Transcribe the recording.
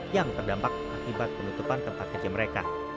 yang terdampak akibat penutupan tempat kerja mereka